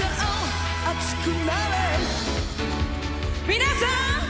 皆さん！